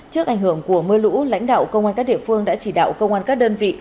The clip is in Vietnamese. trước ảnh hưởng của mưa lũ lãnh đạo công an các địa phương đã chỉ đạo công an các đơn vị